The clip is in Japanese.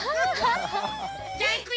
じゃあいくよ。